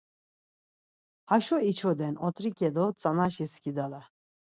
Haşo içoden ot̆riǩe do tsanaşi skidala.